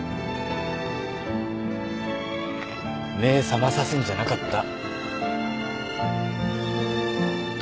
目覚まさすんじゃなかった。